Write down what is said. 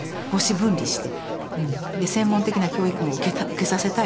専門的な教育も受けさせたい。